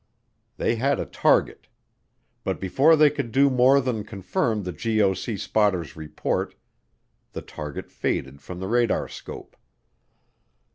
They had a target. But before they could do more than confirm the GOC spotter's report, the target faded from the radarscope.